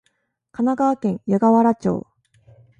神奈川県湯河原町